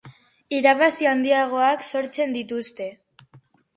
irabazi handiagoak sortzen dituzte